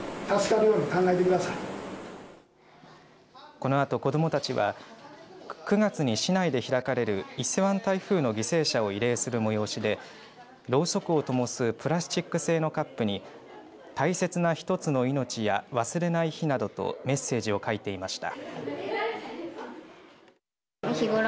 このあと子どもたちは９月に市内で開かれる伊勢湾台風の犠牲者を慰霊する催しでろうそくをともすプラスチック製のカップに大切な一つの命や忘れない日などとメッセージを書いていました。